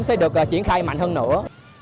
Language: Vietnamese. sẽ được triển khai mạnh hơn nữa